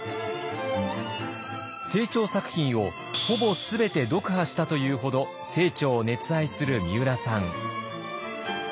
清張作品をほぼ全て読破したというほど清張を熱愛するみうらさん。